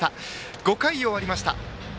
５回を終わりました。